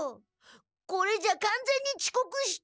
これじゃかんぜんに遅刻して。